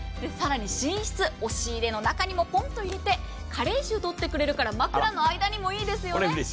更に寝室、押し入れの中にもポンと入れて加齢臭をとってくれるから枕の間にもいいですよね。